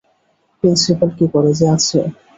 Principal কি কলেজে আছে?